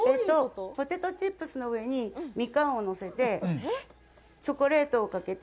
ポテトチップスの上にミカンをのせて、チョコレートをかけて。